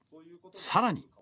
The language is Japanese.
さらに。